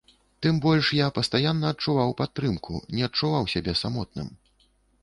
Тым больш я пастаянна адчуваў падтрымку, не адчуваў сябе самотным.